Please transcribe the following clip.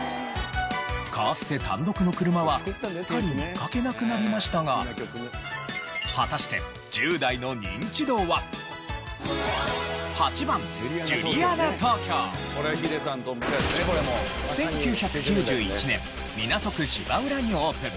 カーステ単独の車はすっかり見かけなくなりましたが果たして１９９１年港区芝浦にオープン。